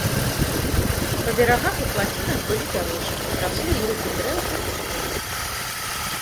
Па берагах і плацінах былі дарожкі, раслі групы дрэў і кустоў.